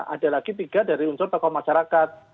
ada lagi tiga dari unsur tokoh masyarakat